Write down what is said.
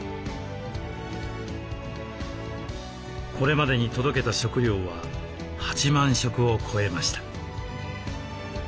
これまでに届けた食料は８万食を超えました。